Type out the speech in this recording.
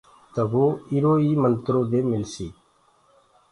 تو وو اِرو ئي منترو دي مِلسيٚ۔